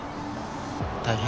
大変？